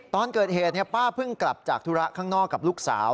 ตอนเกิดเหตุป้าเพิ่งกลับจากธุระข้างนอกกับลูกสาว